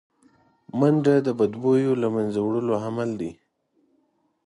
منډه د بدبویو له منځه وړو عمل دی